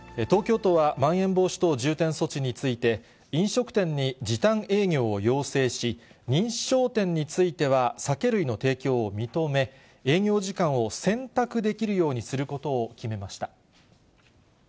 東京都は、まん延防止等重点措置について、飲食店に時短営業を要請し、認証店については酒類の提供を認め、営業時間を選択できるようにすることを決めました。